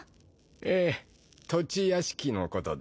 ええ土地屋敷のことで。